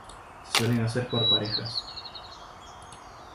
Se suelen hacer por parejas.